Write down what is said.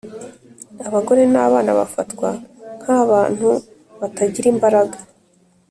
abagore nabana bafatwa nkabantu batagira imbaraga